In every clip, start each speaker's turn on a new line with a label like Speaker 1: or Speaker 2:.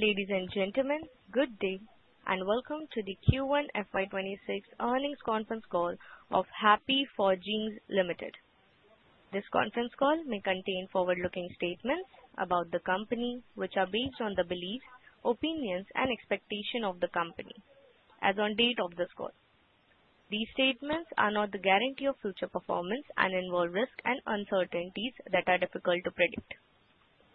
Speaker 1: Ladies and gentlemen, good day, and welcome to the Q1 FY26 Earnings Conference Call of Happy Forgings Limited. This conference call may contain forward-looking statements about the company, which are based on the beliefs, opinions, and expectations of the company as on date of this call. These statements are not the guarantee of future performance and involve risks and uncertainties that are difficult to predict.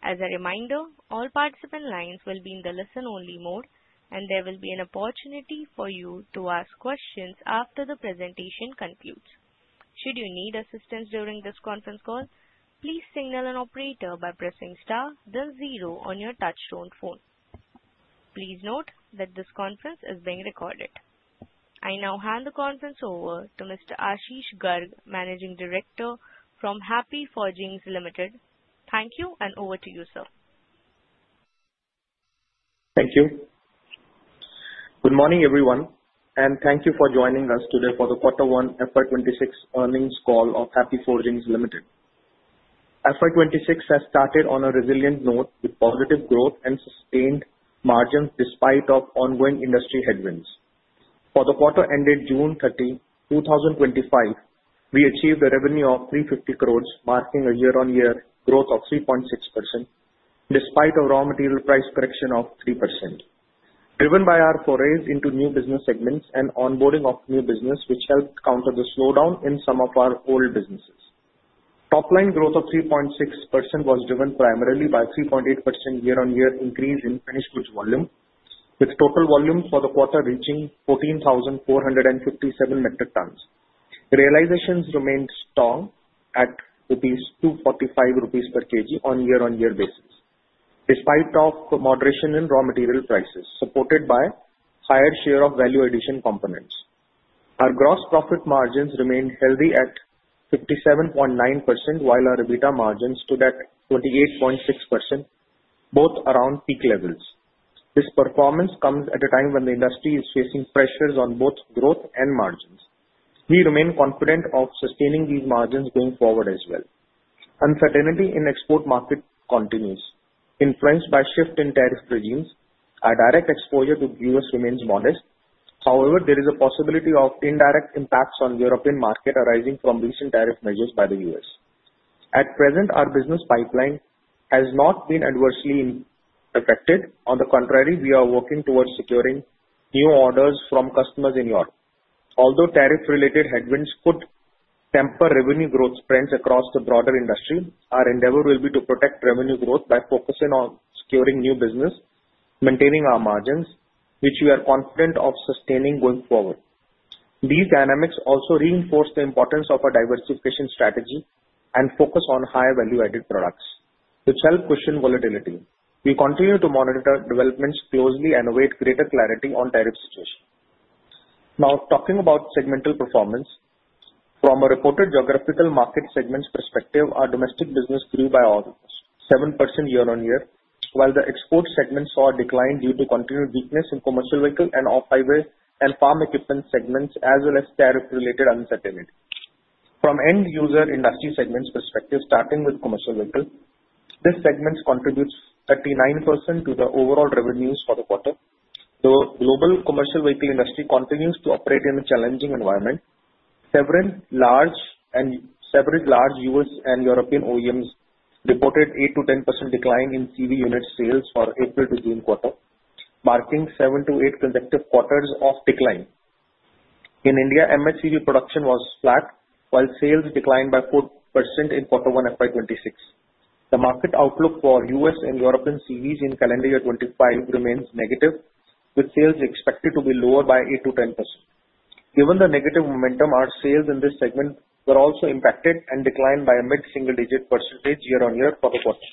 Speaker 1: As a reminder, all participant lines will be in the listen-only mode, and there will be an opportunity for you to ask questions after the presentation concludes. Should you need assistance during this conference call, please signal an operator by pressing star then zero on your touch-tone phone. Please note that this conference is being recorded. I now hand the conference over to Mr. Ashish Garg, Managing Director from Happy Forgings Limited. Thank you, and over to you, sir.
Speaker 2: Thank you. Good morning, everyone, and thank you for joining us today for the Quarter One FY26 Earnings Call of Happy Forgings Limited. FY26 has started on a resilient note with positive growth and sustained margins despite ongoing industry headwinds. For the quarter ended June 30, 2025, we achieved a revenue of 350 crores, marking a year-on-year growth of 3.6% despite a raw material price correction of 3%, driven by our forays into new business segments and onboarding of new business, which helped counter the slowdown in some of our old businesses. Top-line growth of 3.6% was driven primarily by a 3.8% year-on-year increase in finished goods volume, with total volume for the quarter reaching 14,457 metric tons. Realizations remained strong at 245 rupees per kg on a year-on-year basis, despite moderation in raw material prices supported by a higher share of value-addition components. Our gross profit margins remained healthy at 57.9%, while our EBITDA margins stood at 28.6%, both around peak levels. This performance comes at a time when the industry is facing pressures on both growth and margins. We remain confident of sustaining these margins going forward as well. Uncertainty in the export market continues. Influenced by a shift in tariff regimes, our direct exposure to the U.S. remains modest. However, there is a possibility of indirect impacts on the European market arising from recent tariff measures by the U.S. At present, our business pipeline has not been adversely affected. On the contrary, we are working towards securing new orders from customers in Europe. Although tariff-related headwinds could temper revenue growth trends across the broader industry, our endeavor will be to protect revenue growth by focusing on securing new business, maintaining our margins, which we are confident of sustaining going forward. These dynamics also reinforce the importance of a diversification strategy and focus on higher value-added products, which help cushion volatility. We continue to monitor developments closely and await greater clarity on the tariff situation. Now, talking about segmental performance, from a reported geographical market segments perspective, our domestic business grew by 7% year-on-year, while the export segment saw a decline due to continued weakness in commercial vehicle and off-highway and Farm Equipment segments, as well as tariff-related uncertainty. From end-user industry segments perspective, starting with commercial vehicle, this segment contributes 39% to the overall revenues for the quarter. The global commercial vehicle industry continues to operate in a challenging environment. Several large U.S. and European OEMs reported an 8%-10% decline in CV unit sales for the April to June quarter, marking seven to eight consecutive quarters of decline. In India, M&CV production was flat, while sales declined by 4% in Q1 FY26. The market outlook for U.S. and European CVs in calendar year 2025 remains negative, with sales expected to be lower by 8%-10%. Given the negative momentum, our sales in this segment were also impacted and declined by a mid-single-digit percentage year-on-year for the quarter.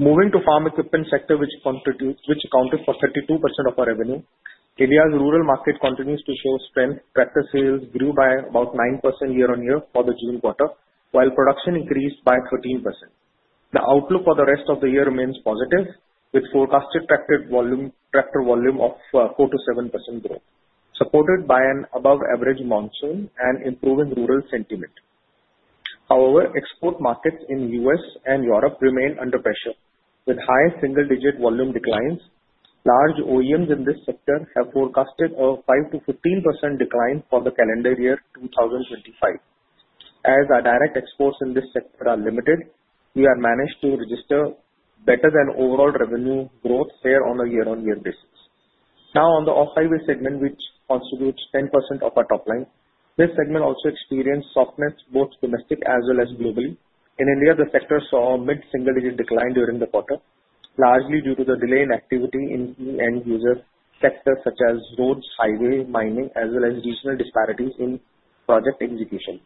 Speaker 2: Moving to the farm equipment sector, which accounted for 32% of our revenue, India's rural market continues to show strength. Tractor sales grew by about 9% year-on-year for the June quarter, while production increased by 13%. The outlook for the rest of the year remains positive, with forecasted tractor volume of 4%-7% growth, supported by an above-average monsoon and improving rural sentiment. However, export markets in the U.S. and Europe remain under pressure, with high single-digit volume declines. Large OEMs in this sector have forecasted a 5%-15% decline for the calendar year 2025. As our direct exports in this sector are limited, we have managed to register better than overall revenue growth here on a year-on-year basis. Now, on the Off-Highway segment, which constitutes 10% of our top line, this segment also experienced softness both domestic as well as globally. In India, the sector saw a mid-single-digit decline during the quarter, largely due to the delay in activity in the end-user sector, such as roads, highways, mining, as well as regional disparities in project execution.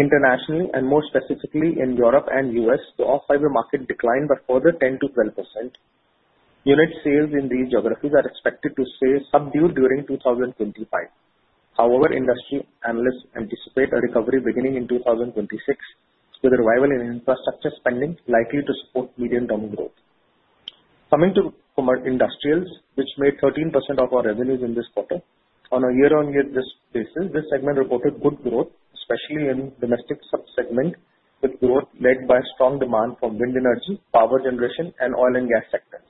Speaker 2: Internationally, and more specifically in Europe and the U.S., the Off-Highway market declined by further 10%-12%. Unit sales in these geographies are expected to stay subdued during 2025. However, industry analysts anticipate a recovery beginning in 2026, with a revival in infrastructure spending likely to support medium-term growth. Coming to Industrials, which made 13% of our revenues in this quarter, on a year-on-year basis, this segment reported good growth, especially in the domestic subsegment, with growth led by strong demand from wind energy, power generation, and oil and gas sectors.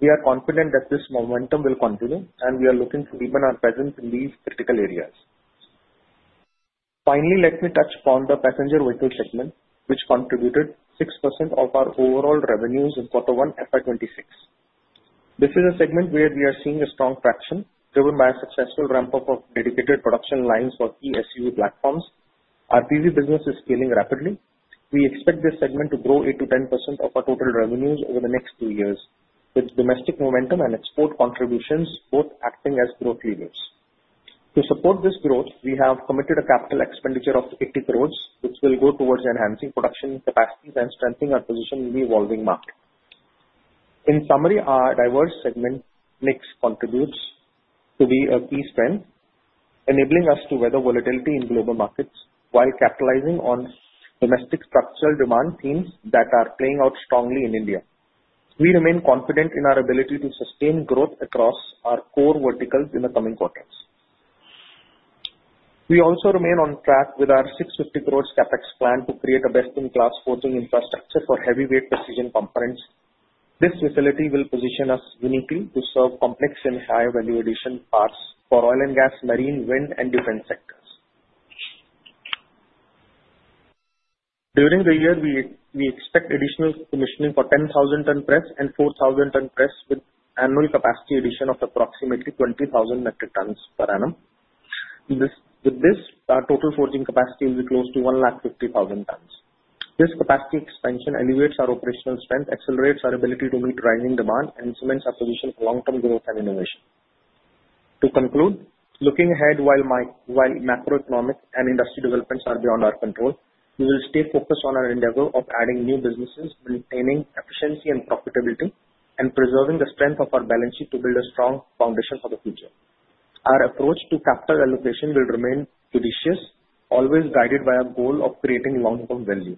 Speaker 2: We are confident that this momentum will continue, and we are looking to deepen our presence in these critical areas. Finally, let me touch upon the passenger vehicle segment, which contributed 6% of our overall revenues in Q1 FY26. This is a segment where we are seeing a strong traction, driven by a successful ramp-up of dedicated production lines for e-SUV platforms. Our PV business is scaling rapidly. We expect this segment to grow 8%-10% of our total revenues over the next two years, with domestic momentum and export contributions both acting as growth levers. To support this growth, we have committed a capital expenditure of 80 crores, which will go towards enhancing production capacities and strengthening our position in the evolving market. In summary, our diverse segment mix contributes to be a key strength, enabling us to weather volatility in global markets while capitalizing on domestic structural demand themes that are playing out strongly in India. We remain confident in our ability to sustain growth across our core verticals in the coming quarters. We also remain on track with our 650 crores CapEx plan to create a best-in-class forging infrastructure for heavyweight precision components. This facility will position us uniquely to serve complex and high-value-addition parts for oil and gas, marine, wind, and defense sectors. During the year, we expect additional commissioning for 10,000-ton press and 4,000-ton press, with annual capacity addition of approximately 20,000 metric tons per annum. With this, our total forging capacity will be close to 150,000 tons. This capacity expansion elevates our operational strength, accelerates our ability to meet rising demand, and cements our position for long-term growth and innovation. To conclude, looking ahead while macroeconomic and industry developments are beyond our control, we will stay focused on our endeavor of adding new businesses, maintaining efficiency and profitability, and preserving the strength of our balance sheet to build a strong foundation for the future. Our approach to capital allocation will remain judicious, always guided by our goal of creating long-term value.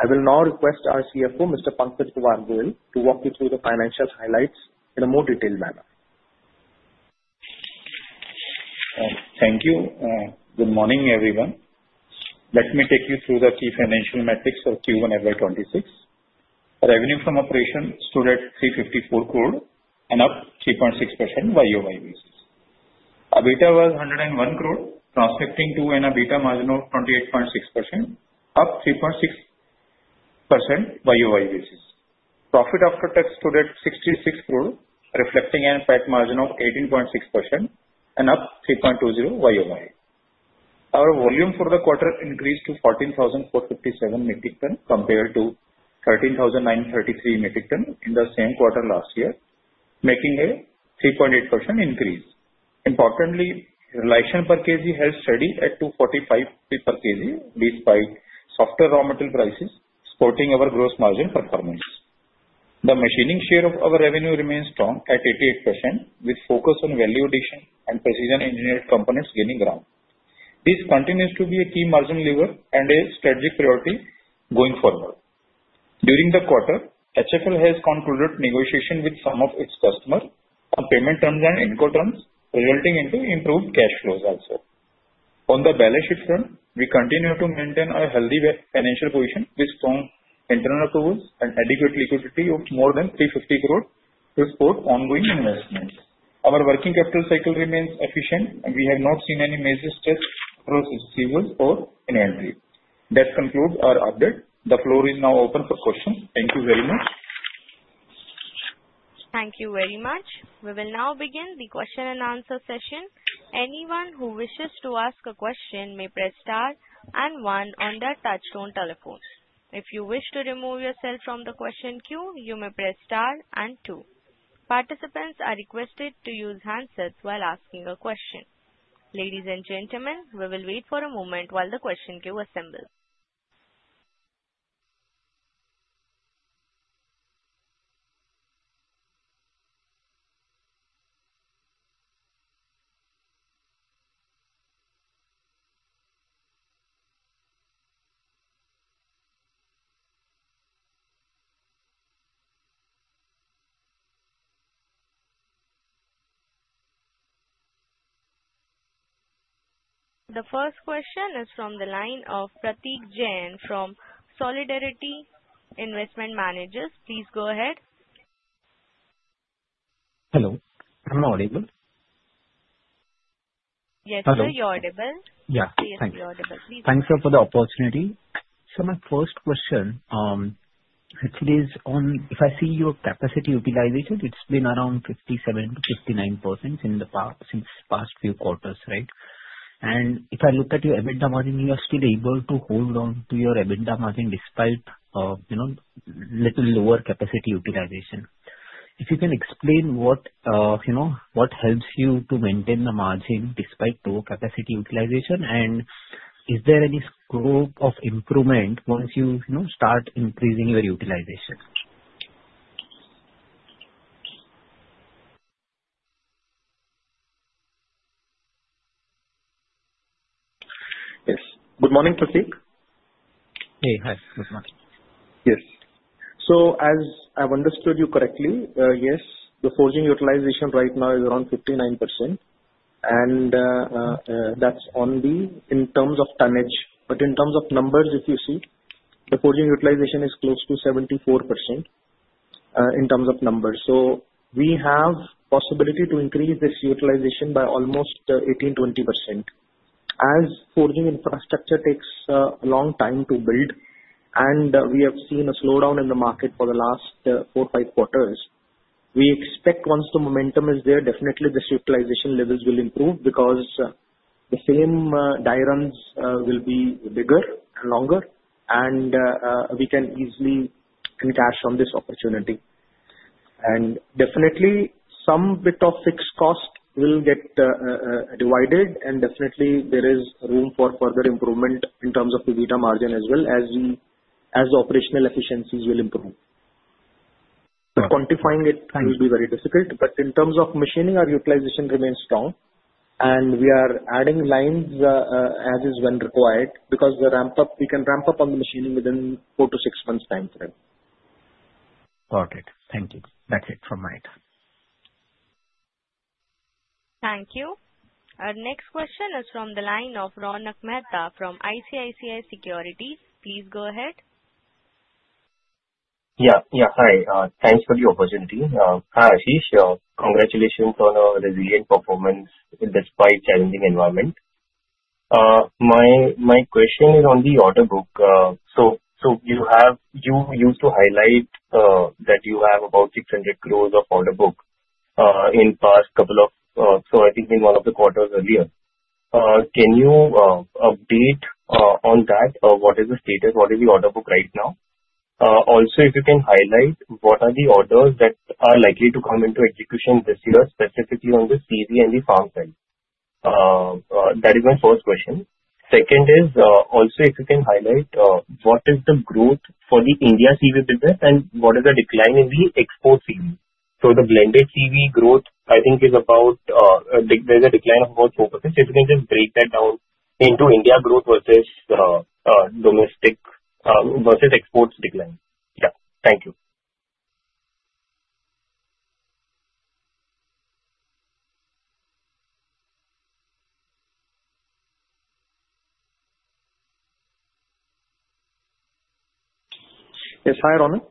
Speaker 2: I will now request our CFO, Mr. Pankaj Kumar Goyal, to walk you through the financial highlights in a more detailed manner.
Speaker 3: Thank you. Good morning, everyone. Let me take you through the key financial metrics for Q1 FY26. Revenue from operations stood at 354 crores, up 3.6% on a year-on-year basis. EBITDA was 101 crores, translating to an EBITDA margin of 28.6%, up 3.6% on a year-on-year basis. Profit after tax stood at 66 crores, reflecting a PAT margin of 18.6% and up 3.2% on a year-on-year basis. Our volume for the quarter increased to 14,457 metric tons compared to 13,933 metric tons in the same quarter last year, making a 3.8% increase. Importantly, realization per kg held steady at 245 per kg, despite softer raw material prices, supporting our gross margin performance. The machining share of our revenue remains strong at 88%, with focus on value-addition and precision-engineered components gaining ground. This continues to be a key margin lever and a strategic priority going forward. During the quarter, HFL has concluded negotiations with some of its customers on payment terms and Incoterms, resulting in improved cash flows also. On the balance sheet front, we continue to maintain a healthy financial position with strong internal accruals and adequate liquidity of more than 350 crores to support ongoing investments. Our working capital cycle remains efficient, and we have not seen any major stress across receivables or inventory. That concludes our update. The floor is now open for questions. Thank you very much.
Speaker 1: Thank you very much. We will now begin the question-and-answer session. Anyone who wishes to ask a question may press star and one on their touch-tone telephone. If you wish to remove yourself from the question queue, you may press star and two. Participants are requested to use handsets while asking a question. Ladies and gentlemen, we will wait for a moment while the question queue assembles. The first question is from the line of Pratik Jain from Solidarity Investment Managers. Please go ahead.
Speaker 4: Hello. Am I audible?
Speaker 1: Yes, sir, you're audible.
Speaker 4: Yeah. Thank you.
Speaker 1: Yes, you're audible. Please go ahead.
Speaker 4: Thank you for the opportunity. So my first question, actually, is on if I see your capacity utilization, it's been around 57%-59% since the past few quarters, right? And if I look at your EBITDA margin, you are still able to hold on to your EBITDA margin despite a little lower capacity utilization. If you can explain what helps you to maintain the margin despite low capacity utilization, and is there any scope of improvement once you start increasing your utilization?
Speaker 3: Yes. Good morning, Pratik.
Speaker 4: Hey, hi. Good morning.
Speaker 2: Yes. So as I've understood you correctly, yes, the forging utilization right now is around 59%, and that's only in terms of tonnage. But in terms of numbers, if you see, the forging utilization is close to 74% in terms of numbers. So we have the possibility to increase this utilization by almost 18%-20%. As forging infrastructure takes a long time to build, and we have seen a slowdown in the market for the last four or five quarters, we expect once the momentum is there, definitely this utilization levels will improve because the same die runs will be bigger and longer, and we can easily cash on this opportunity. And definitely, some bit of fixed cost will get divided, and definitely, there is room for further improvement in terms of the EBITDA margin as well as the operational efficiencies will improve. But quantifying it will be very difficult. But in terms of machining, our utilization remains strong, and we are adding lines as is when required because we can ramp up on the machining within four-to-six months' time frame.
Speaker 4: Got it. Thank you. That's it from my end.
Speaker 1: Thank you. Our next question is from the line of Ronak Mehta from ICICI Securities. Please go ahead.
Speaker 5: Yeah. Yeah. Hi. Thanks for the opportunity. Hi, Ashish. Congratulations on a resilient performance despite challenging environment. My question is on the order book. So you used to highlight that you have about 600 crores of order book in the past couple of, so I think, in one of the quarters earlier. Can you update on that? What is the status? What is the order book right now? Also, if you can highlight what are the orders that are likely to come into execution this year, specifically on the CV and the farm side? That is my first question. Second is, also, if you can highlight what is the growth for the India CV business and what is the decline in the export CV? So the blended CV growth, I think, is about. There's a decline of about 4%. If you can just break that down into India growth versus domestic versus exports decline? Yeah. Thank you.
Speaker 2: Yes. Hi, Ronak.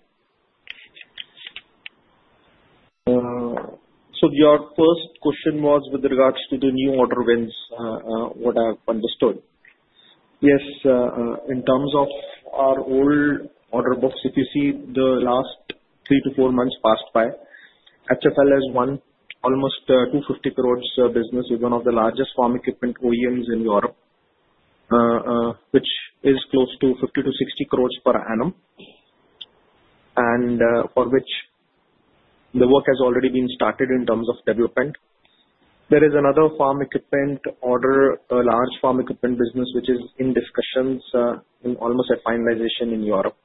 Speaker 2: So your first question was with regards to the new order wins, what I've understood. Yes. In terms of our old order books, if you see the last three to four months passed by, HFL has won almost 250 crores business with one of the largest farm equipment OEMs in Europe, which is close to 50-60 crores per annum, and for which the work has already been started in terms of development. There is another farm equipment order, a large farm equipment business, which is in discussions and almost at finalization in Europe.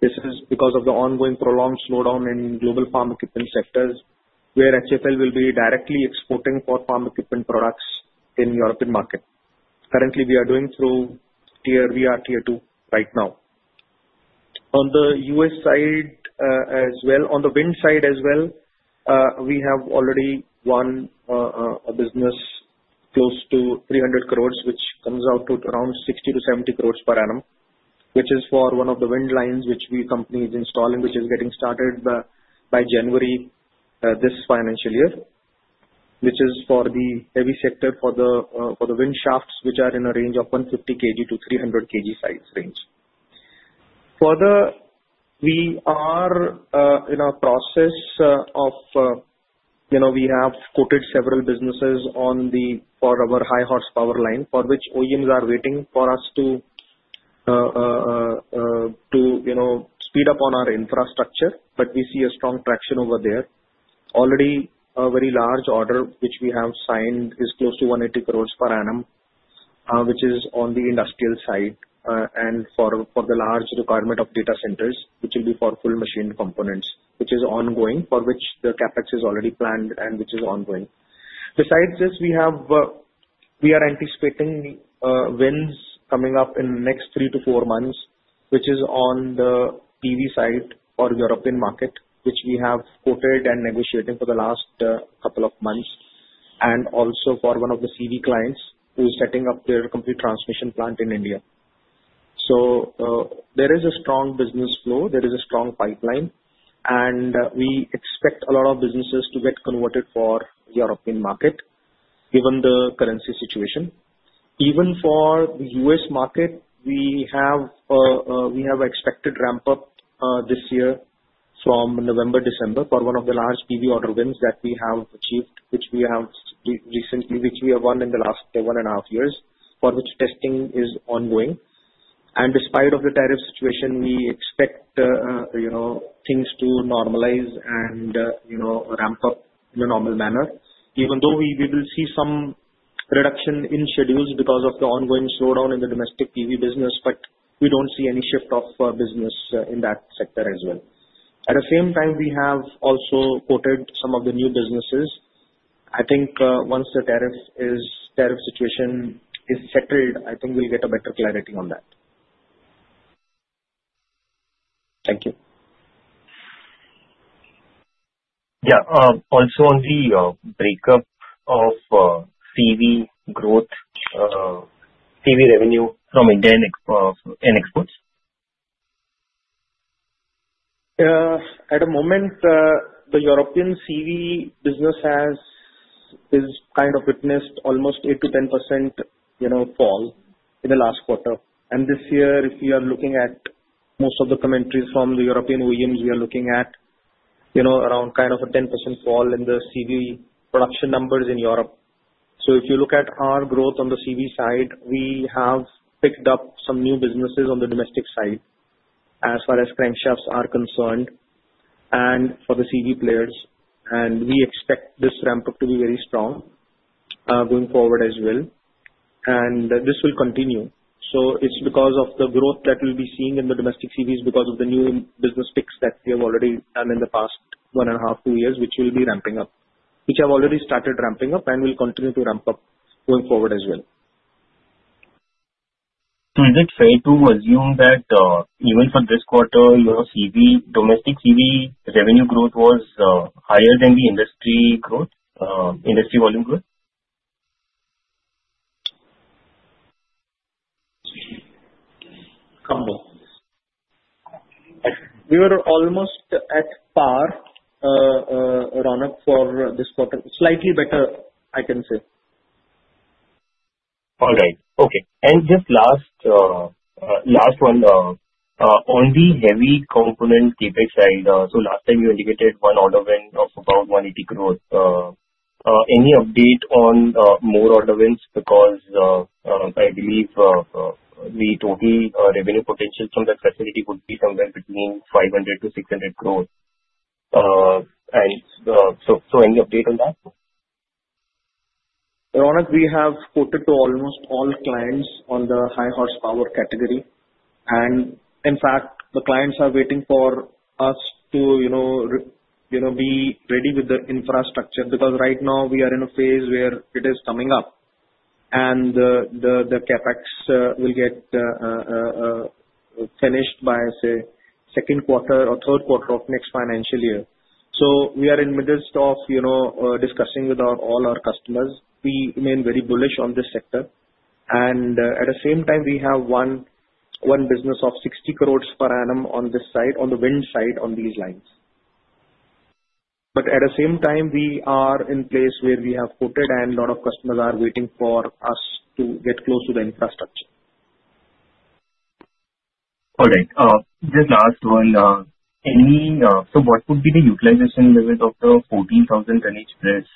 Speaker 2: This is because of the ongoing prolonged slowdown in global farm equipment sectors where HFL will be directly exporting for farm equipment products in the European market. Currently, we are doing through Tier 1 or Tier 2 right now. On the U.S. side as well, on the wind side as well, we have already won a business close to 300 crores, which comes out to around 60-70 crores per annum, which is for one of the wind lines which the company is installing, which is getting started by January this financial year, which is for the heavy sector for the wind shafts, which are in a range of 150-300 kg size range. Further, we have quoted several businesses for our high horsepower line, for which OEMs are waiting for us to speed up on our infrastructure. But we see a strong traction over there. Already, a very large order which we have signed is close to 180 crores per annum, which is on the industrial side and for the large requirement of data centers, which will be for full machined components, which is ongoing, for which the CapEx is already planned and which is ongoing. Besides this, we are anticipating wins coming up in the next three-to-four months, which is on the PV side for the European market, which we have quoted and negotiated for the last couple of months, and also for one of the CV clients who is setting up their complete transmission plant in India. So there is a strong business flow. There is a strong pipeline, and we expect a lot of businesses to get converted for the European market given the currency situation. Even for the U.S. market, we have expected ramp-up this year from November, December for one of the large PV order wins that we have achieved, which we have recently won in the last one and a half years, for which testing is ongoing, and despite the tariff situation, we expect things to normalize and ramp up in a normal manner. Even though we will see some reduction in schedules because of the ongoing slowdown in the domestic PV business, but we don't see any shift of business in that sector as well. At the same time, we have also quoted some of the new businesses. I think once the tariff situation is settled, I think we'll get a better clarity on that. Thank you.
Speaker 5: Yeah. Also on the breakdown of CV growth, CV revenue from India and exports?
Speaker 3: At the moment, the European CV business has kind of witnessed almost 8%-10% fall in the last quarter, and this year, if you are looking at most of the commentaries from the European OEMs, we are looking at around kind of a 10% fall in the CV production numbers in Europe, so if you look at our growth on the CV side, we have picked up some new businesses on the domestic side as far as crankshafts are concerned and for the CV players, and we expect this ramp-up to be very strong going forward as well, and this will continue. So it's because of the growth that we'll be seeing in the domestic CVs because of the new business picks that we have already done in the past one and a half, two years, which will be ramping up, which have already started ramping up and will continue to ramp up going forward as well.
Speaker 5: Is it fair to assume that even for this quarter, your domestic CV revenue growth was higher than the industry volume growth?
Speaker 3: We were almost at par, Ronak, for this quarter. Slightly better, I can say.
Speaker 5: All right. Okay. And just last one, on the heavy component CapEx side, so last time you indicated one order win of about 180 crores. Any update on more order wins? Because I believe the total revenue potential from that facility would be somewhere between 500-600 crores. And so any update on that?
Speaker 3: Ronak, we have quoted to almost all clients on the high horsepower category. In fact, the clients are waiting for us to be ready with the infrastructure because right now we are in a phase where it is coming up, and the CapEx will get finished by, say, second quarter or third quarter of next financial year. We are in the midst of discussing with all our customers. We remain very bullish on this sector. At the same time, we have one business of 60 crores per annum on this side, on the wind side on these lines, but at the same time, we are in a place where we have quoted, and a lot of customers are waiting for us to get close to the infrastructure.
Speaker 5: All right. Just last one. So what would be the utilization limit of the 14,000 tonnage press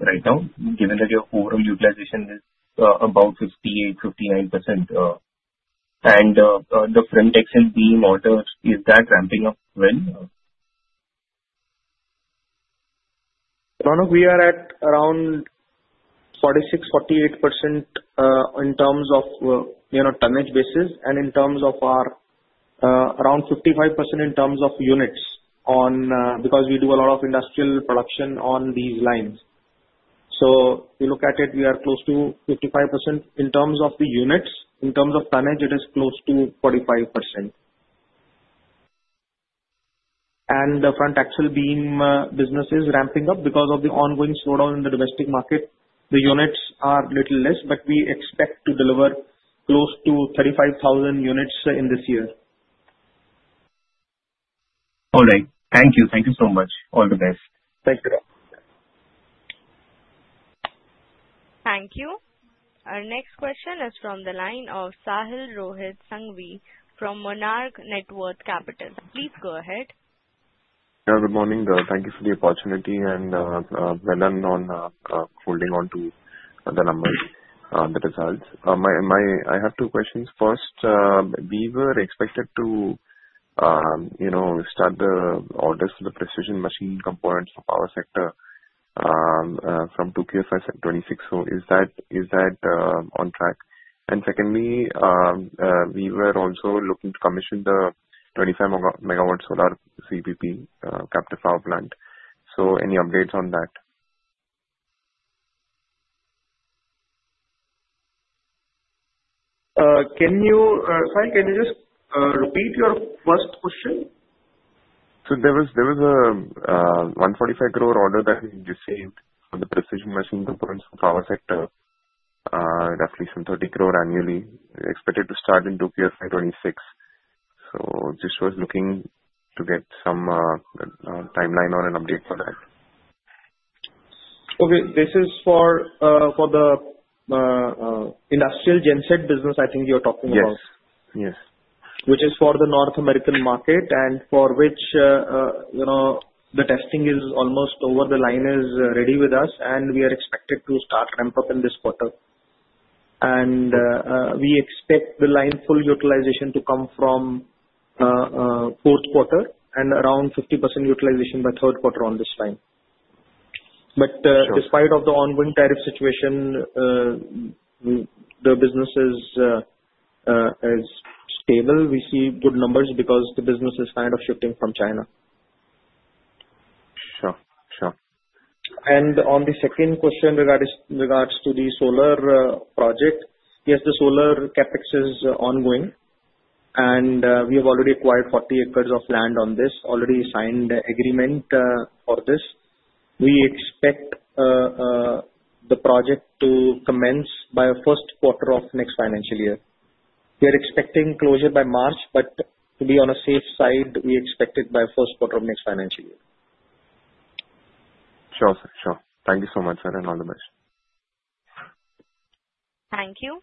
Speaker 5: right now, given that your overall utilization is about 58%, 59%? And the front axle beam orders, is that ramping up well?
Speaker 3: Ronak, we are at around 46%-48% in terms of tonnage basis and in terms of our around 55% in terms of units because we do a lot of industrial production on these lines. So you look at it, we are close to 55% in terms of the units. In terms of tonnage, it is close to 45%. The front axle beam business is ramping up because of the ongoing slowdown in the domestic market. The units are a little less, but we expect to deliver close to 35,000 units in this year.
Speaker 5: All right. Thank you. Thank you so much. All the best.
Speaker 3: Thank you.
Speaker 1: Thank you. Our next question is from the line of Sahil Sanghvi from Monarch Networth Capital. Please go ahead.
Speaker 6: Yeah. Good morning. Thank you for the opportunity and well done on holding on to the numbers, the results. I have two questions. First, we were expected to start the orders for the precision machine components for power sector from 2Q FY26. So is that on track? And secondly, we were also looking to commission the 25-megawatt solar CPP Captive Power Plant. So any updates on that?
Speaker 3: Sahil, can you just repeat your first question?
Speaker 6: So there was a 145 crore order that we received for the precision machine components for power sector, roughly some 30 crore annually, expected to start in FY26. So just was looking to get some timeline or an update for that.
Speaker 3: Okay. This is for the industrial genset business, I think you're talking about.
Speaker 6: Yes. Yes.
Speaker 3: Which is for the North American market and for which the testing is almost over. The line is ready with us, and we are expected to start ramp-up in this quarter, and we expect the line full utilization to come from fourth quarter and around 50% utilization by third quarter on this line, but despite the ongoing tariff situation, the business is stable. We see good numbers because the business is kind of shifting from China.
Speaker 6: Sure. Sure.
Speaker 3: On the second question regards to the solar project, yes, the solar CapEx is ongoing, and we have already acquired 40 acres of land on this, already signed agreement for this. We expect the project to commence by the first quarter of next financial year. We are expecting closure by March, but to be on a safe side, we expect it by the first quarter of next financial year.
Speaker 6: Sure. Sure. Thank you so much, sir, and all the best.
Speaker 1: Thank you.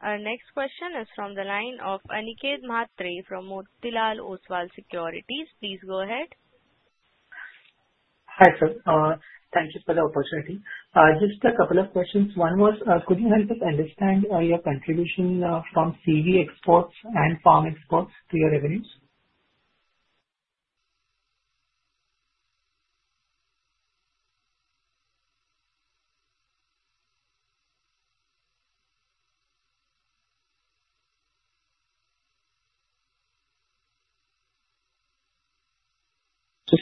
Speaker 1: Our next question is from the line of Aniket Mhatre from Motilal Oswal Securities. Please go ahead.
Speaker 7: Hi, sir. Thank you for the opportunity. Just a couple of questions. One was, could you help us understand your contribution from CV exports and farm exports to your revenues?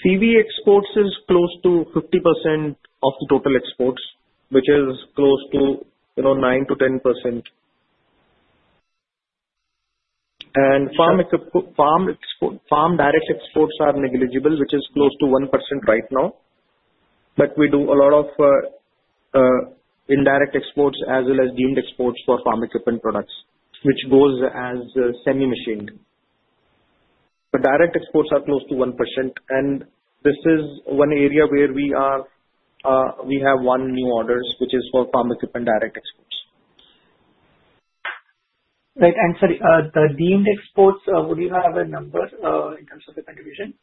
Speaker 3: CV exports is close to 50% of the total exports, which is close to 9%-10%. And farm direct exports are negligible, which is close to 1% right now. But we do a lot of indirect exports as well as deemed exports for farm equipment products, which goes as semi-machined. But direct exports are close to 1%, and this is one area where we have one new order, which is for farm equipment direct exports.
Speaker 7: Right. And sorry, the deemed exports, would you have a number in terms of the contribution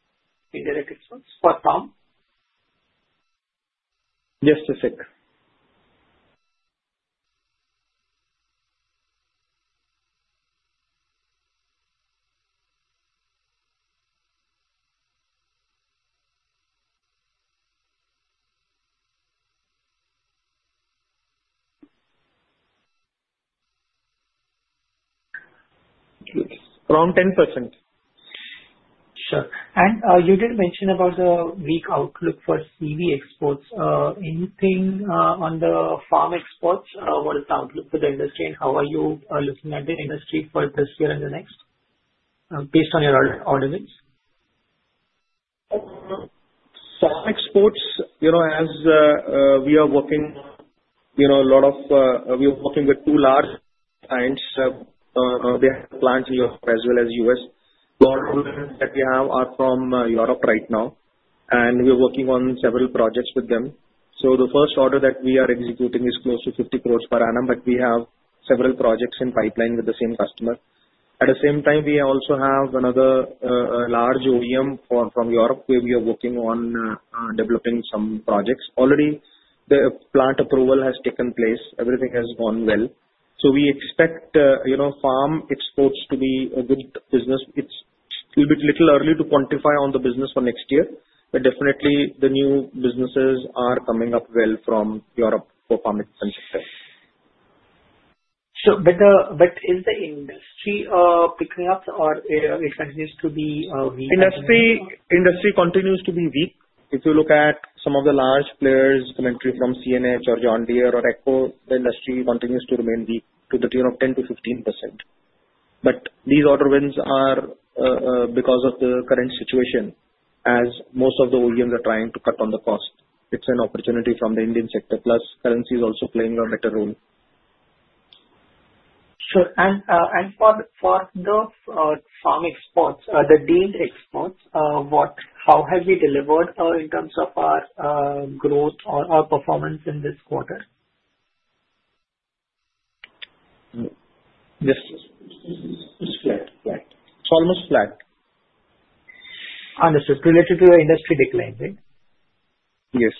Speaker 7: in direct exports for farm?
Speaker 3: Yes, just a sec. Around 10%.
Speaker 7: Sure. And you did mention about the weak outlook for CV exports. Anything on the farm exports? What is the outlook for the industry, and how are you looking at the industry for this year and the next based on your audience?
Speaker 3: farm exports, as we are working a lot with two large clients. They have plants in Europe as well as the U.S. The orders that we have are from Europe right now, and we are working on several projects with them. The first order that we are executing is close to 50 crores per annum, but we have several projects in pipeline with the same customer. At the same time, we also have another large OEM from Europe where we are working on developing some projects. Already, the plant approval has taken place. Everything has gone well. We expect farm exports to be a good business. It is a little early to quantify on the business for next year, but definitely, the new businesses are coming up well from Europe for farm equipment sector.
Speaker 7: But is the industry picking up, or it continues to be weak?
Speaker 3: Industry continues to be weak. If you look at some of the large players, commentary from CNH or John Deere or AGCO, the industry continues to remain weak to the tune of 10%-15%. But these order winds are because of the current situation, as most of the OEMs are trying to cut on the cost. It's an opportunity from the Indian sector, plus currency is also playing a better role.
Speaker 7: Sure. And for the farm exports, the deemed exports, how have you delivered in terms of our growth or our performance in this quarter?
Speaker 3: Yes. It's flat. It's almost flat.
Speaker 7: Understood. Related to your industry decline, right?
Speaker 3: Yes.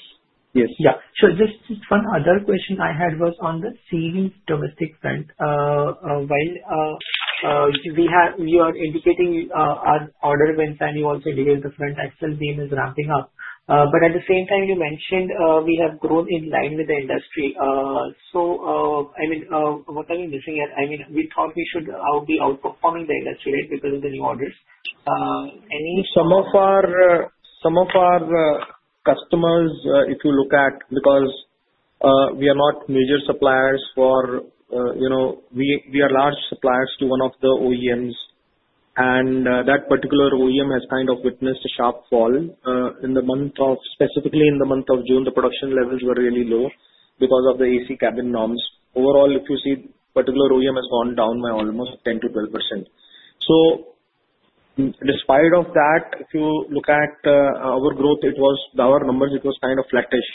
Speaker 3: Yes.
Speaker 7: Yeah. So just one other question I had was on the CV domestic front. While you are indicating on order wins, and you also indicated the front axle beam is ramping up, but at the same time, you mentioned we have grown in line with the industry. So I mean, what are we missing here? I mean, we thought we should be outperforming the industry, right, because of the new orders. Any?
Speaker 3: Some of our customers, if you look at, because we are not major suppliers, we are large suppliers to one of the OEMs, and that particular OEM has kind of witnessed a sharp fall specifically in the month of June. The production levels were really low because of the AC cabin norms. Overall, if you see, particular OEM has gone down by almost 10%-12%. So despite of that, if you look at our growth, our numbers, it was kind of flattish.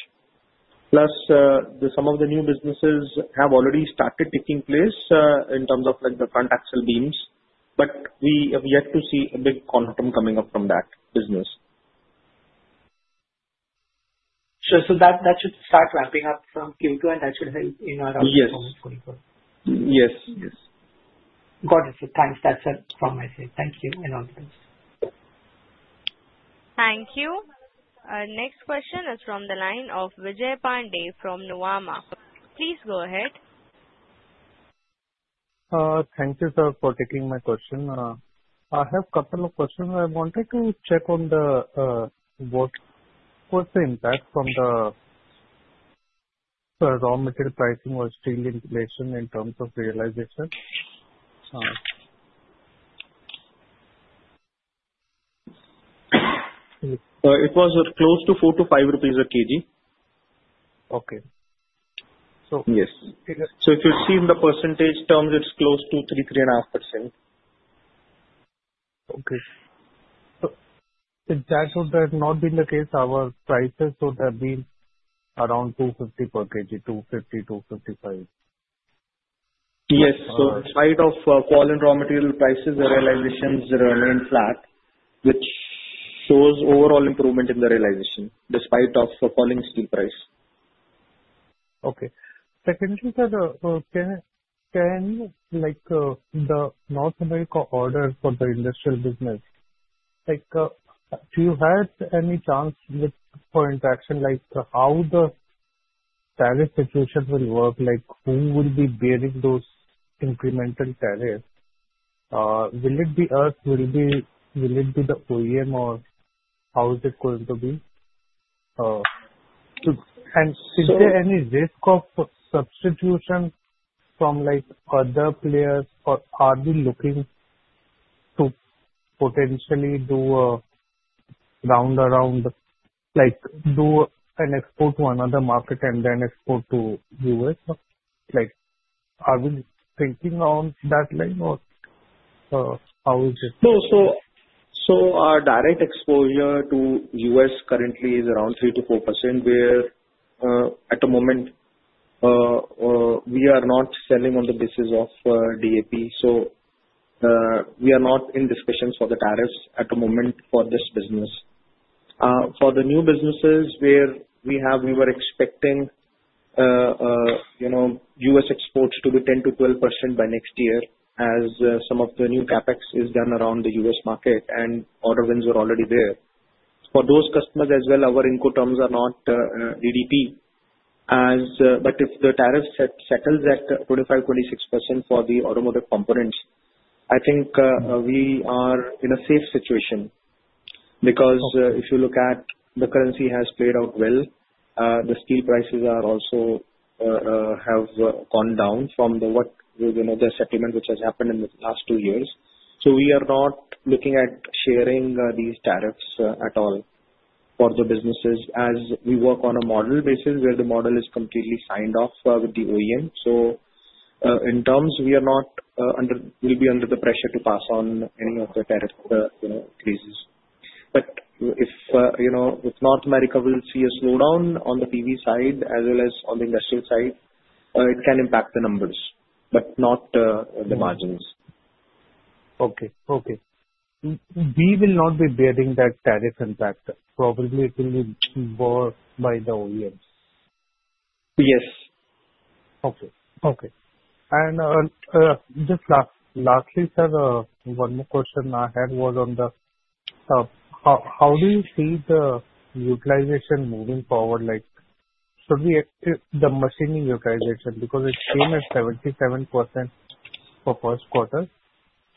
Speaker 3: Plus, some of the new businesses have already started taking place in terms of the front axle beams, but we have yet to see a big quantum coming up from that business.
Speaker 7: Sure. So that should start ramping up from Q2, and that should help in our outlook for 2024.
Speaker 3: Yes. Yes.
Speaker 7: Got it. Thanks. That's it from my side. Thank you and all the best.
Speaker 1: Thank you. Our next question is from the line of Vijay Pandey from Nuvama. Please go ahead.
Speaker 8: Thank you, sir, for taking my question. I have a couple of questions. I wanted to check on what's the impact from the raw material pricing or steel inflation in terms of realization?
Speaker 3: It was close to 4-5 rupees a kg.
Speaker 8: Okay.
Speaker 3: Yes. So if you see in the percentage terms, it's close to 3-3.5%.
Speaker 8: Okay. So that would have not been the case. Our prices would have been around 250 per kg, 250-255.
Speaker 3: Yes. So despite the fall in raw material prices, the realizations remain flat, which shows overall improvement in the realization despite falling steel price.
Speaker 8: Okay. Secondly, sir, can the North America order for the industrial business, do you have any chance for interaction? How the tariff situation will work? Who will be bearing those incremental tariffs? Will it be us? Will it be the OEM, or how is it going to be? And is there any risk of substitution from other players? Are we looking to potentially do a round around, do an export to another market and then export to the U.S.? Are we thinking on that line, or how is it?
Speaker 3: No. So our direct exposure to the U.S. currently is around 3-4%, where at the moment, we are not selling on the basis of DAP. So we are not in discussions for the tariffs at the moment for this business. For the new businesses where we have, we were expecting U.S. exports to be 10-12% by next year, as some of the new CapEx is done around the U.S. market, and order wins were already there. For those customers as well, our Incoterms are not DDP. But if the tariff settles at 25-26% for the automotive components, I think we are in a safe situation because if you look at the currency has played out well. The steel prices have gone down from the settlement which has happened in the last two years. We are not looking at sharing these tariffs at all for the businesses, as we work on a model basis where the model is completely signed off with the OEM. In terms, we will not be under the pressure to pass on any of the tariff increases. But if North America will see a slowdown on the PV side as well as on the industrial side, it can impact the numbers, but not the margins.
Speaker 8: Okay. We will not be bearing that tariff impact. Probably it will be more by the OEM.
Speaker 3: Yes.
Speaker 8: Okay. Okay. And just lastly, sir, one more question I had was on the how do you see the utilization moving forward? Should we the machining utilization, because it came at 77% for first quarter,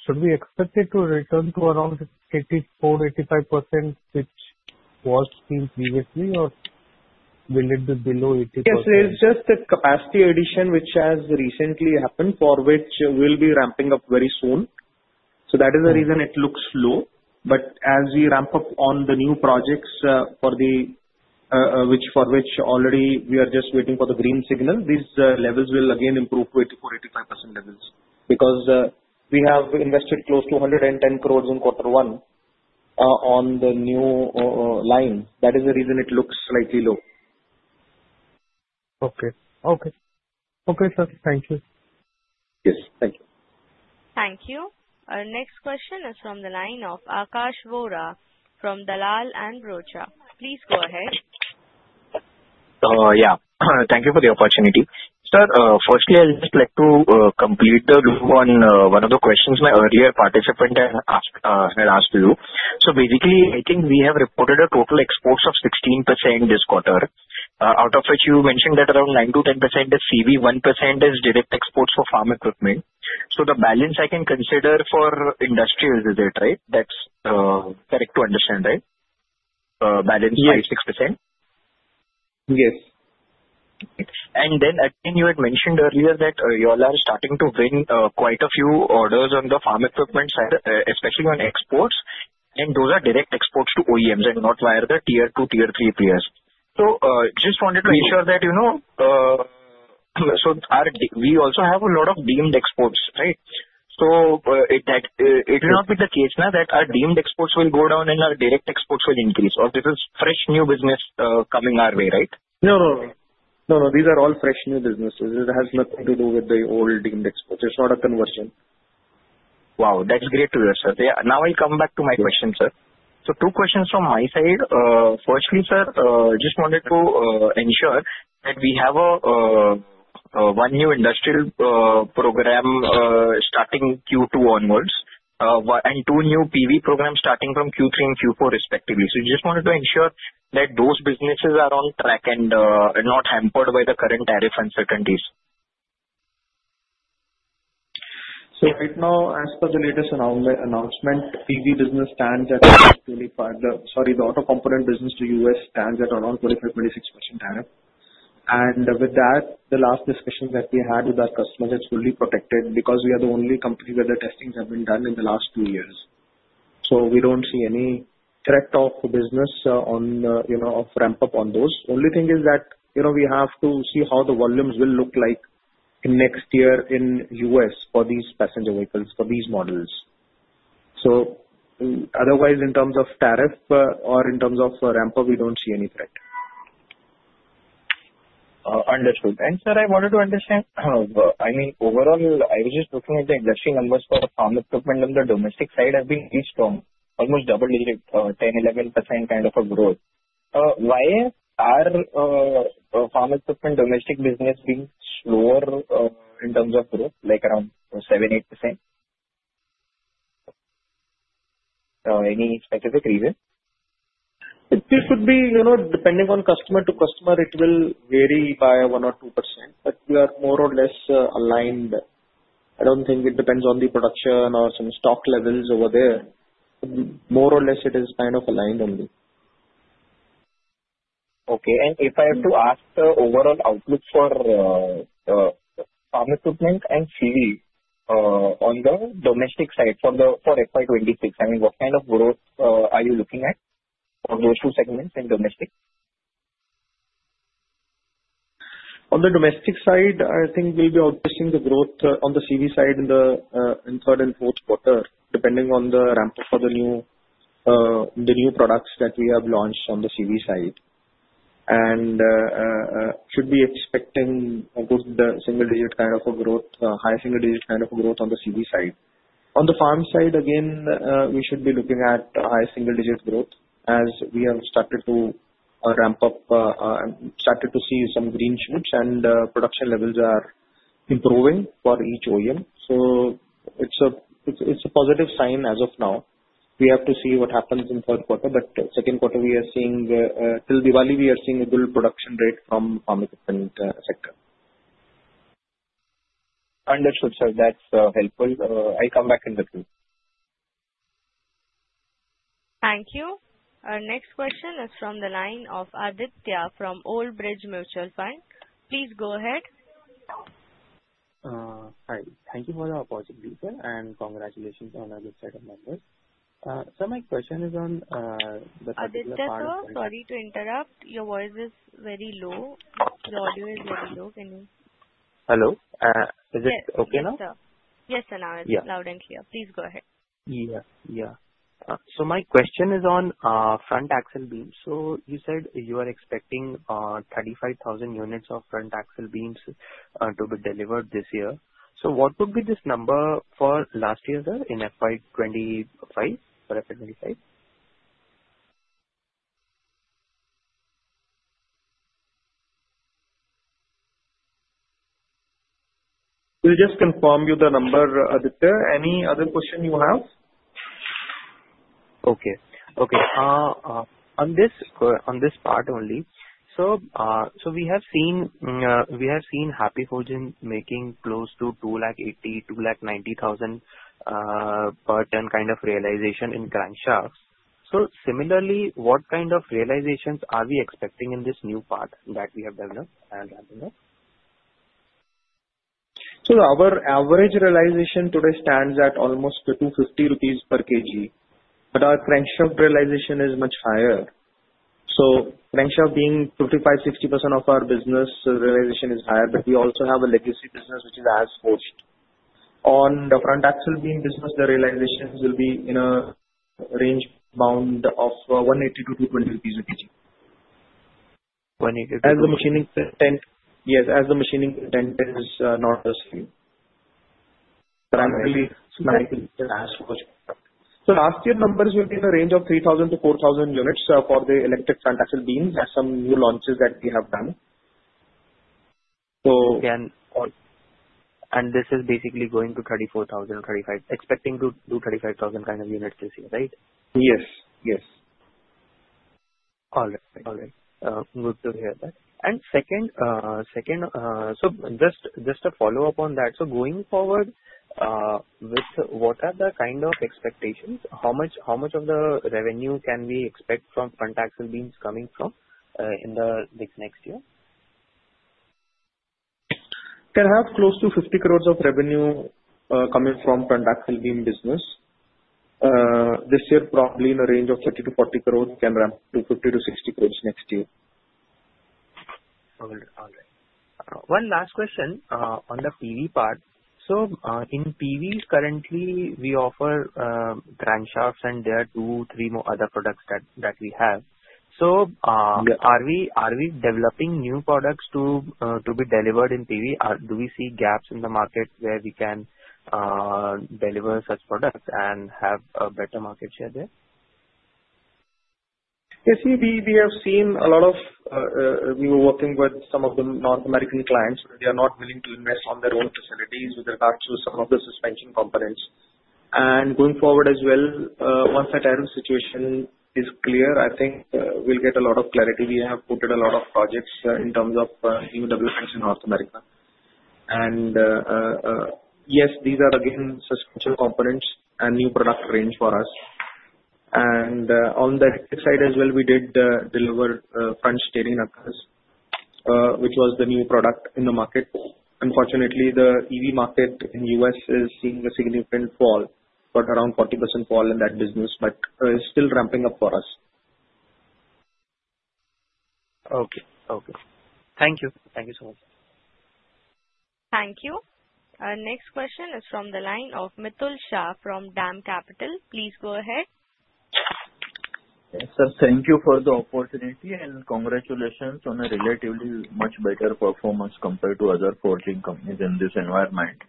Speaker 8: should we expect it to return to around 84%-85%, which was seen previously, or will it be below 80%?
Speaker 3: Yes. There is just a capacity addition, which has recently happened for which we'll be ramping up very soon. So that is the reason it looks low. But as we ramp up on the new projects for which already we are just waiting for the green signal, these levels will again improve to 84%-85% levels because we have invested close to 110 crores in quarter one on the new line. That is the reason it looks slightly low.
Speaker 8: Okay, sir. Thank you.
Speaker 3: Yes. Thank you.
Speaker 1: Thank you. Our next question is from the line of Akash Vora from Dalal & Broacha. Please go ahead.
Speaker 9: Yeah. Thank you for the opportunity. Sir, firstly, I'd just like to complete one of the questions my earlier participant had asked you. So basically, I think we have reported a total exports of 16% this quarter, out of which you mentioned that around 9-10% is CV, 1% is direct exports for farm equipment. So the balance I can consider for industrial is it, right? That's correct to understand, right? Balance 5-6%?
Speaker 3: Yes.
Speaker 9: And then again, you had mentioned earlier that you all are starting to win quite a few orders on the farm equipment side, especially on exports, and those are direct exports to OEMs and not via the Tier two, Tier three players. So just wanted to ensure that we also have a lot of deemed exports, right? So it will not be the case now that our deemed exports will go down and our direct exports will increase, or this is fresh new business coming our way, right?
Speaker 3: No, no, no. No, no. These are all fresh new businesses. It has nothing to do with the old deemed exports. It's not a conversion.
Speaker 9: Wow. That's great to hear, sir. Now I'll come back to my question, sir. So two questions from my side. Firstly, sir, I just wanted to ensure that we have one new industrial program starting Q2 onwards and two new PV programs starting from Q3 and Q4 respectively. So I just wanted to ensure that those businesses are on track and not hampered by the current tariff uncertainties.
Speaker 3: So right now, as per the latest announcement, PV business stands at 25%. Sorry, the auto component business to U.S. stands at around 25%-26% tariff. And with that, the last discussion that we had with our customers is fully protected because we are the only company where the testings have been done in the last two years. So we don't see any threat of business on ramp up on those. Only thing is that we have to see how the volumes will look like next year in U.S. for these passenger vehicles, for these models. So otherwise, in terms of tariff or in terms of ramp up, we don't see any threat.
Speaker 9: Understood, and sir, I wanted to understand. I mean, overall, I was just looking at the industry numbers for the farm equipment on the domestic side have been pretty strong, almost double-digit, 10%-11% kind of a growth. Why are farm equipment domestic business being slower in terms of growth, like around 7%-8%? Any specific reason?
Speaker 3: It could be depending on customer to customer. It will vary by 1 or 2%, but we are more or less aligned. I don't think it depends on the production or some stock levels over there. More or less, it is kind of aligned only.
Speaker 9: Okay, and if I have to ask the overall outlook for farm equipment and CV on the domestic side for FY26, I mean, what kind of growth are you looking at on those two segments in domestic?
Speaker 3: On the domestic side, I think we'll be outpacing the growth on the CV side in the third and fourth quarter, depending on the ramp up of the new products that we have launched on the CV side, and should be expecting a good single digit kind of a growth, high single digit kind of a growth on the CV side. On the farm side, again, we should be looking at high single digit growth as we have started to ramp up, started to see some green shoots, and production levels are improving for each OEM, so it's a positive sign as of now. We have to see what happens in third quarter, but second quarter, we are seeing till Diwali a good production rate from the farm equipment sector.
Speaker 9: Understood, sir. That's helpful. I'll come back and look into it.
Speaker 1: Thank you. Our next question is from the line of Aditya from Old Bridge Mutual Fund. Please go ahead.
Speaker 10: Hi. Thank you for the opportunity, sir, and congratulations on the set of numbers. Sir, my question is on the farm equipment.
Speaker 1: Aditya, sorry to interrupt. Your voice is very low. The audio is very low. Can you?
Speaker 10: Hello. Is it okay now?
Speaker 1: Yes, sir. Yes, sir, now it's loud and clear. Please go ahead.
Speaker 10: Yeah. Yeah. So my question is on front axle beams. So you said you are expecting 35,000 units of front axle beams to be delivered this year. So what would be this number for last year, sir, in FY 2025?
Speaker 3: We'll just confirm you the number, Aditya. Any other question you have?
Speaker 10: Okay. Okay. On this part only, sir, so we have seen Happy Forgings making close to 280-290 thousand per ton kind of realization in crankshafts. So similarly, what kind of realizations are we expecting in this new part that we have developed and ramping up?
Speaker 3: Our average realization today stands at almost 250 rupees per kg. But our crankshaft realization is much higher. Crankshaft being 55%-60% of our business, the realization is higher, but we also have a legacy business which is as forged. On the front axle beam business, the realizations will be in a range bound of 180-220 per kg.
Speaker 10: 180 to 220.
Speaker 3: As the machining percent, yes, as the machining percent is not as high. So last year numbers will be in the range of 3,000-4,000 units for the electric front axle beams and some new launches that we have done.
Speaker 10: This is basically going to 34,000, 35, expecting to do 35,000 kind of units this year, right?
Speaker 3: Yes. Yes.
Speaker 10: All right. All right. Good to hear that, and second, so just a follow-up on that, so going forward, what are the kind of expectations? How much of the revenue can we expect from front axle beams coming from in the next year?
Speaker 3: There have close to 50 crore of revenue coming from front axle beam business. This year, probably in a range of 30-40 crore can ramp up to 50-60 crore next year.
Speaker 10: All right. All right. One last question on the PV part. So in PV, currently, we offer crankshafts and there are two, three more other products that we have. So are we developing new products to be delivered in PV? Do we see gaps in the market where we can deliver such products and have a better market share there?
Speaker 3: Yes. We have seen a lot. We were working with some of the North American clients. They are not willing to invest on their own facilities with regard to some of the suspension components. And going forward as well, once the tariff situation is clear, I think we'll get a lot of clarity. We have put in a lot of projects in terms of new developments in North America. And yes, these are again suspension components and new product range for us. And on the electric side as well, we did deliver front steering knuckles, which was the new product in the market. Unfortunately, the EV market in U.S. is seeing a significant fall, about 40% fall in that business, but it's still ramping up for us.
Speaker 10: Okay. Okay. Thank you. Thank you so much.
Speaker 1: Thank you. Our next question is from the line of Mitul Shah from DAM Capital. Please go ahead.
Speaker 11: Yes, sir. Thank you for the opportunity and congratulations on a relatively much better performance compared to other forging companies in this environment.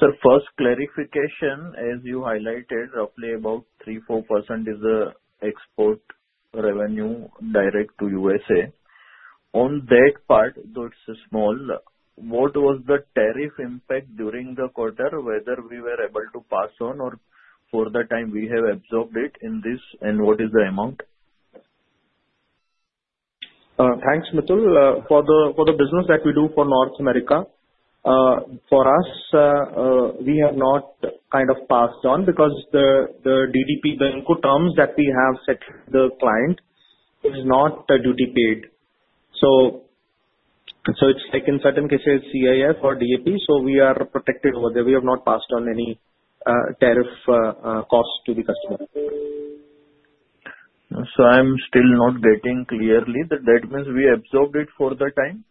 Speaker 11: Sir, first clarification, as you highlighted, roughly about 3-4% is the export revenue direct to USA. On that part, though it's small, what was the tariff impact during the quarter, whether we were able to pass on or for the time we have absorbed it in this, and what is the amount?
Speaker 3: Thanks, Mithul. For the business that we do for North America, for us, we have not kind of passed on because the non-DDP terms that we have set with the client is not duty paid. So it's like in certain cases, CIF or DAP. So we are protected over there. We have not passed on any tariff cost to the customer.
Speaker 11: So I'm still not getting clearly that that means we absorbed it for the time?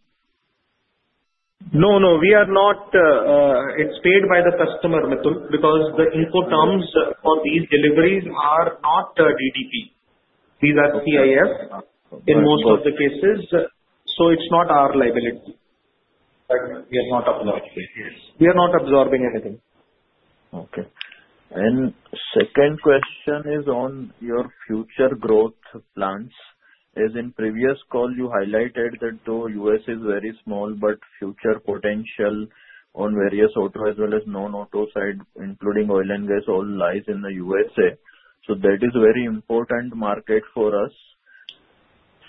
Speaker 3: No, no. It's paid by the customer, Mithul, because the Incoterms for these deliveries are not DDP. These are CIF in most of the cases. So it's not our liability.
Speaker 11: We are not absorbing anything.
Speaker 3: We are not absorbing anything.
Speaker 11: Okay. And second question is on your future growth plans. As in previous call, you highlighted that though U.S. is very small, but future potential on various auto as well as non-auto side, including oil and gas, all lies in the USA. So that is a very important market for us.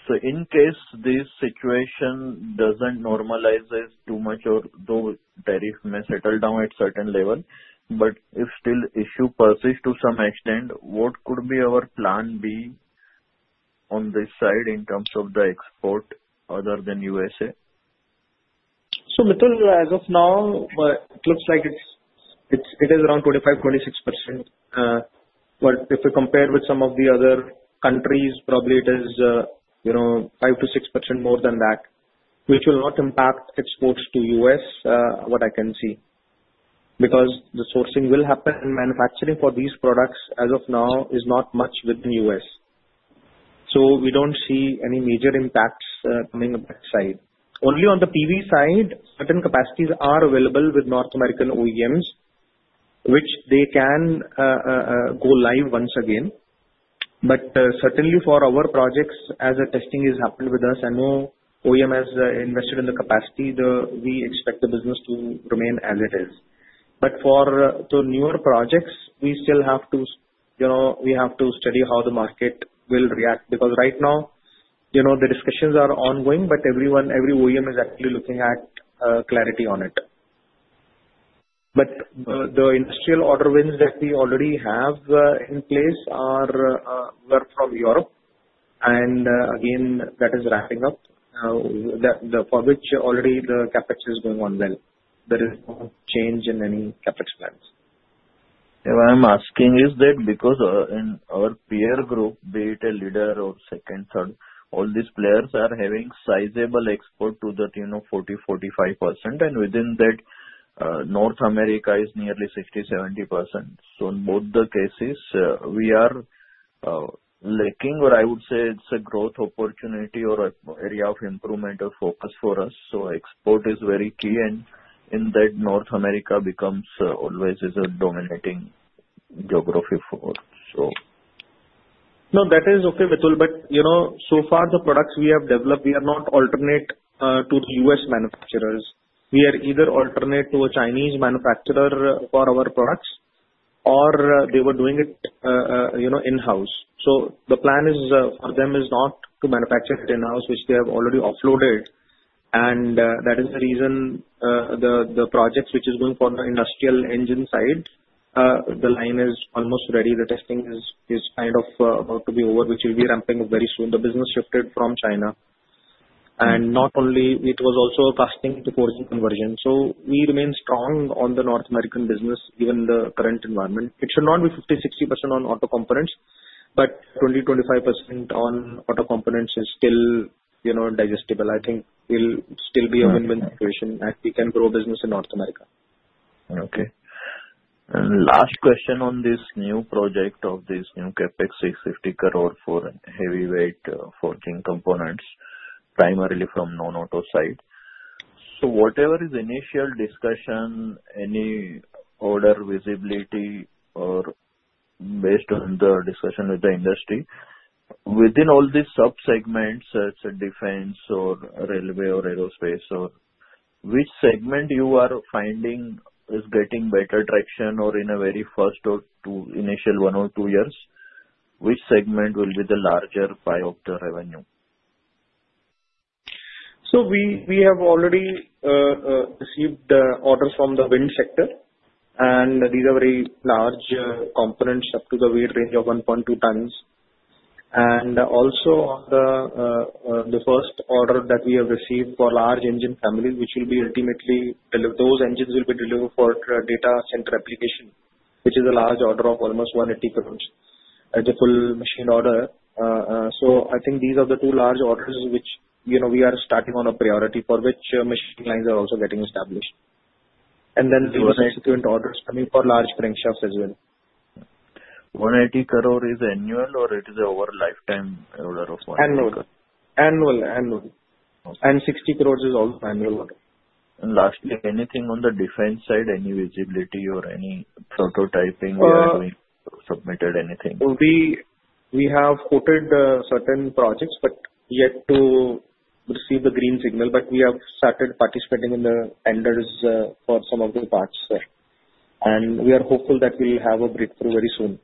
Speaker 11: So in case this situation doesn't normalize too much or though tariff may settle down at certain level, but if still issue persists to some extent, what could be our plan B on this side in terms of the export other than USA?
Speaker 3: So Mithul, as of now, it looks like it is around 25-26%. But if we compare with some of the other countries, probably it is 5-6% more than that, which will not impact exports to U.S., what I can see. Because the sourcing will happen and manufacturing for these products as of now is not much within U.S. So we don't see any major impacts coming on that side. Only on the PV side, certain capacities are available with North American OEMs, which they can go live once again. But certainly for our projects, as the testing has happened with us and no OEM has invested in the capacity, we expect the business to remain as it is. But for the newer projects, we still have to study how the market will react. Because right now, the discussions are ongoing, but every OEM is actually looking at clarity on it. But the industrial order wins that we already have in place are from Europe. And again, that is ramping up, for which already the CapEx is going on well. There is no change in any CapEx plans.
Speaker 11: What I'm asking is that because in our peer group, be it a leader or second, third, all these players are having sizable export to the 40%-45%, and within that, North America is nearly 60%-70%. So in both the cases, we are lacking, or I would say it's a growth opportunity or area of improvement or focus for us. So export is very key, and in that, North America becomes always a dominating geography for us, so.
Speaker 3: No, that is okay, Mithul. But so far, the products we have developed, we are not alternate to the U.S. manufacturers. We are either alternate to a Chinese manufacturer for our products, or they were doing it in-house. So the plan for them is not to manufacture it in-house, which they have already offloaded. And that is the reason the project which is going for the industrial engine side, the line is almost ready. The testing is kind of about to be over, which will be ramping up very soon. The business shifted from China. And not only it was also costing the forging conversion. So we remain strong on the North American business, given the current environment. It should not be 50-60% on auto components, but 20-25% on auto components is still digestible. I think it'll still be a win-win situation that we can grow business in North America.
Speaker 11: Okay. And last question on this new project of this new CapEx 650 crore for heavyweight forging components, primarily from non-auto side. So whatever is initial discussion, any order visibility, or based on the discussion with the industry, within all these sub-segments, such as defense or railway or aerospace, which segment you are finding is getting better traction or in a very first or two initial one or two years, which segment will be the larger pie of the revenue?
Speaker 3: We have already received orders from the wind sector, and these are very large components up to the weight range of 1.2 tons. And also on the first order that we have received for large engine families, which will be ultimately delivered, those engines will be delivered for data center application, which is a large order of almost 180 crores as a full machine order. I think these are the two large orders which we are starting on a priority for which machine lines are also getting established. And then there are subsequent orders coming for large crankshafts as well.
Speaker 11: 180 crore is annual, or it is an over lifetime order of one year?
Speaker 3: Annual. And 60 crores is also annual order.
Speaker 11: Lastly, anything on the defense side, any visibility or any prototyping we have submitted, anything?
Speaker 3: We have quoted certain projects, but yet to receive the green signal, but we have started participating in the tenders for some of the parts, sir, and we are hopeful that we will have a breakthrough very soon.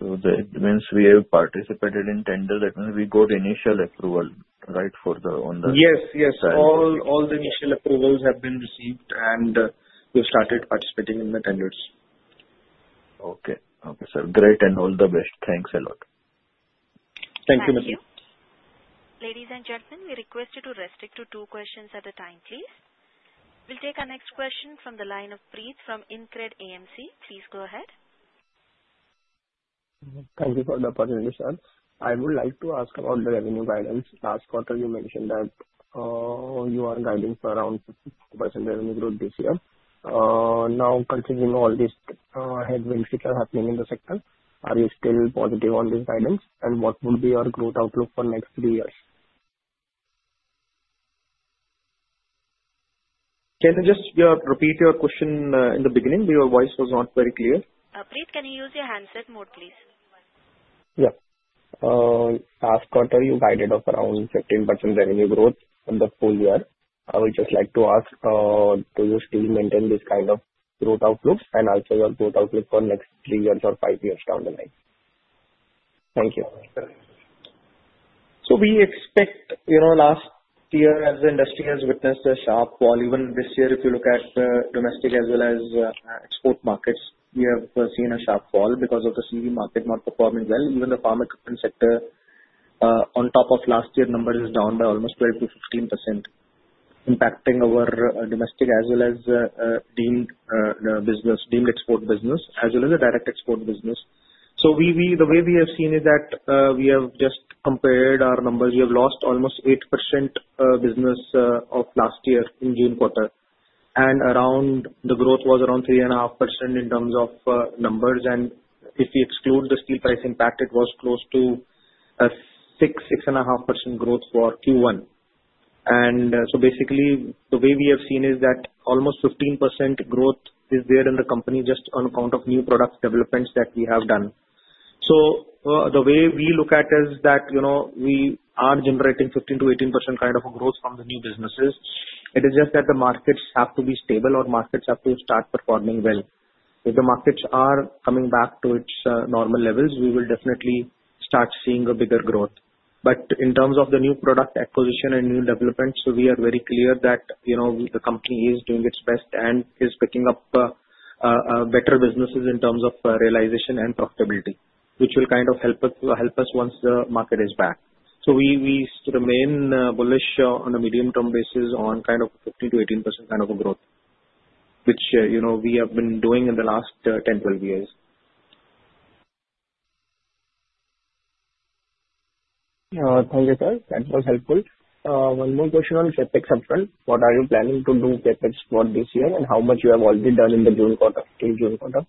Speaker 11: So that means we have participated in tenders. That means we got initial approval right for the on the.
Speaker 3: Yes. Yes. All the initial approvals have been received, and we've started participating in the tenders.
Speaker 11: Okay. Okay, sir. Great. And all the best. Thanks a lot.
Speaker 3: Thank you, Mithul.
Speaker 1: Thank you. Ladies and gentlemen, we request you to restrict to two questions at a time, please. We'll take our next question from the line of Preet from InCred AMC. Please go ahead.
Speaker 12: Thank you for the opportunity, sir. I would like to ask about the revenue guidance. Last quarter, you mentioned that you are guiding for around 50% revenue growth this year. Now, considering all these headwinds which are happening in the sector, are you still positive on this guidance? And what would be your growth outlook for next three years?
Speaker 3: Can you just repeat your question in the beginning? Your voice was not very clear.
Speaker 1: Preet, can you use your handset mode, please?
Speaker 12: Yes. Last quarter, you guided up around 15% revenue growth for the full year. I would just like to ask, do you still maintain this kind of growth outlook? And also your growth outlook for next three years or five years down the line? Thank you.
Speaker 3: We expect last year, as the industry has witnessed a sharp fall, even this year, if you look at domestic as well as export markets, we have seen a sharp fall because of the CV market not performing well. Even the farm equipment sector, on top of last year's numbers, is down by almost 12%-15%, impacting our domestic as well as deemed export business as well as the direct export business. The way we have seen is that we have just compared our numbers. We have lost almost 8% business of last year in June quarter. The growth was around 3.5% in terms of numbers. If we exclude the steel price impact, it was close to 6%-6.5% growth for Q1. And so basically, the way we have seen is that almost 15% growth is there in the company just on account of new product developments that we have done. So the way we look at it is that we are generating 15%-18% kind of growth from the new businesses. It is just that the markets have to be stable or markets have to start performing well. If the markets are coming back to its normal levels, we will definitely start seeing a bigger growth. But in terms of the new product acquisition and new developments, we are very clear that the company is doing its best and is picking up better businesses in terms of realization and profitability, which will kind of help us once the market is back. We remain bullish on a medium-term basis on kind of 15%-18% kind of growth, which we have been doing in the last 10-12 years.
Speaker 12: Thank you, sir. That was helpful. One more question on CapEx upfront. What are you planning to do CapEx for this year and how much you have already done in the June quarter, till June quarter?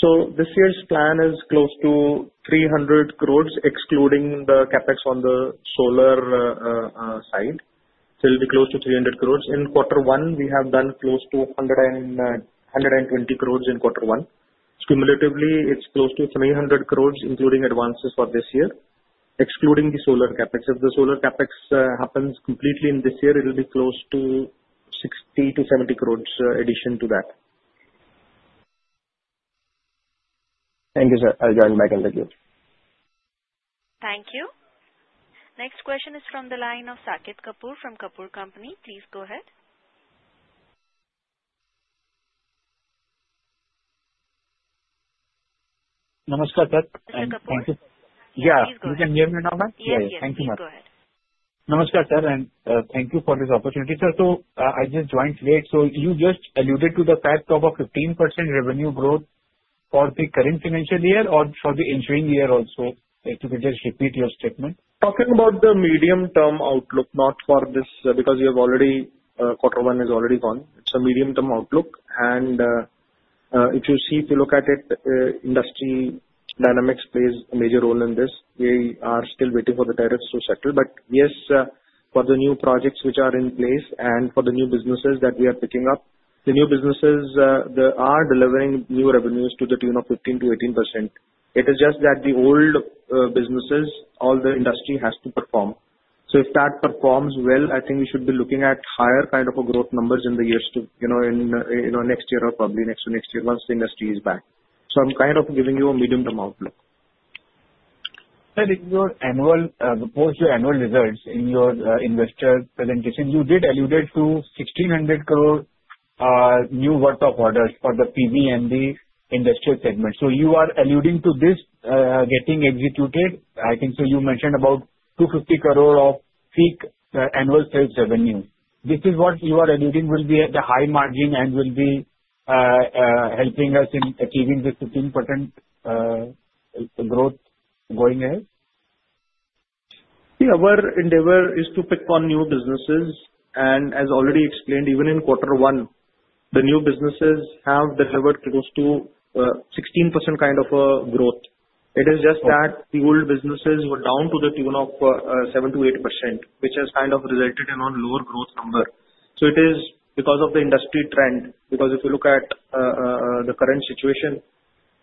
Speaker 3: So this year's plan is close to 300 crores, excluding the CapEx on the solar side. So it'll be close to 300 crores. In quarter one, we have done close to 120 crores in quarter one. Cumulatively, it's close to 300 crores, including advances for this year, excluding the solar CapEx. If the solar CapEx happens completely in this year, it'll be close to 60-70 crores addition to that.
Speaker 12: Thank you, sir. I'll join back in the queue.
Speaker 1: Thank you. Next question is from the line of Saket Kapoor from Kapoor & Co. Please go ahead.
Speaker 13: Namaskar, sir.
Speaker 1: Mr. Kapoor?
Speaker 13: Thank you.
Speaker 1: Please go ahead.
Speaker 13: Yeah. You can hear me now, ma'am?
Speaker 1: Yes.
Speaker 3: Yes. Thank you, ma'am.
Speaker 1: Please go ahead.
Speaker 13: Namaskar, sir. And thank you for this opportunity. Sir, so I just joined late. So you just alluded to the fact of a 15% revenue growth for the current financial year or for the ensuing year also? If you could just repeat your statement.
Speaker 3: Talking about the medium-term outlook, not for this because we have already quarter one is already gone. It's a medium-term outlook. And if you see, if you look at it, industry dynamics plays a major role in this. We are still waiting for the tariffs to settle. But yes, for the new projects which are in place and for the new businesses that we are picking up, the new businesses are delivering new revenues to the tune of 15%-18%. It is just that the old businesses, all the industry has to perform. So if that performs well, I think we should be looking at higher kind of growth numbers in the years to next year or probably next to next year once the industry is back. So I'm kind of giving you a medium-term outlook.
Speaker 13: Sir, in your annual reports, your annual results, and your investor presentation, you alluded to 1,600 crore worth of new orders for the PV and the industrial segment. So you are alluding to this getting executed. I think so you mentioned about 250 crore of peak annual sales revenue. This is what you are alluding to will be at the high margin and will be helping us in achieving this 15% growth going ahead?
Speaker 3: See, our endeavor is to pick on new businesses. And as already explained, even in quarter one, the new businesses have delivered close to 16% kind of growth. It is just that the old businesses were down to the tune of 7-8%, which has kind of resulted in a lower growth number. So it is because of the industry trend. Because if you look at the current situation,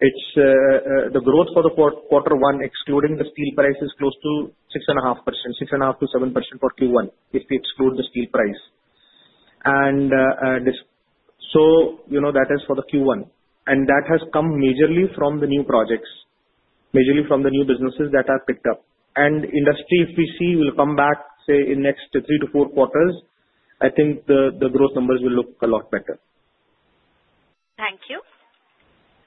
Speaker 3: the growth for the quarter one, excluding the steel price, is close to 6.5%, 6.5-7% for Q1 if we exclude the steel price. And so that is for the Q1. And that has come majorly from the new projects, majorly from the new businesses that are picked up. And industry, if we see, will come back, say, in next three to four quarters. I think the growth numbers will look a lot better.
Speaker 1: Thank you.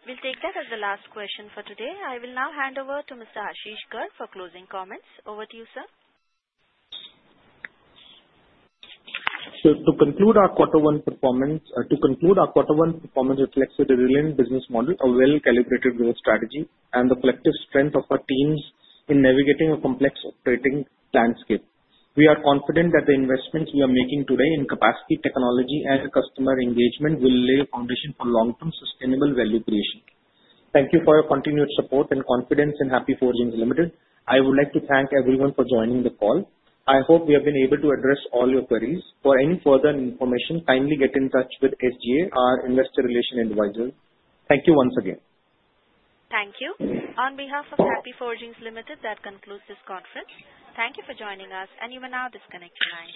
Speaker 1: We'll take that as the last question for today. I will now hand over to Mr. Ashish Garg for closing comments. Over to you, sir.
Speaker 2: To conclude our quarter one performance reflects a resilient business model, a well-calibrated growth strategy, and the collective strength of our teams in navigating a complex operating landscape. We are confident that the investments we are making today in capacity technology and customer engagement will lay a foundation for long-term sustainable value creation. Thank you for your continued support and confidence in Happy Forgings Limited. I would like to thank everyone for joining the call. I hope we have been able to address all your queries. For any further information, kindly get in touch with SGA, our investor relations advisor. Thank you once again.
Speaker 1: Thank you. On behalf of Happy Forgings Limited, that concludes this conference. Thank you for joining us, and you may now disconnect your line.